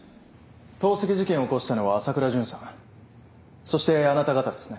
投石事件を起こしたのは朝倉純さんそしてあなた方ですね。